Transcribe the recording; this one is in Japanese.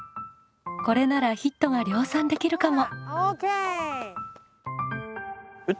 これならヒットが量産できるかも！